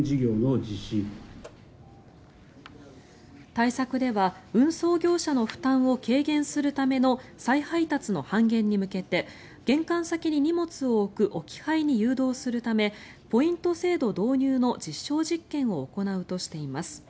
対策では運送業者の負担を軽減するための再配達の半減に向けて玄関先に荷物を置く置き配に誘導するためポイント制度導入の実証実験を行うとしています。